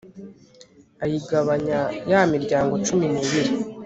ayigabanya ya miryango cumi n'ibiri